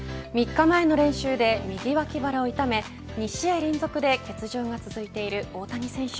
３日前の練習で右脇腹を痛め２試合連続で欠場が続いている大谷選手。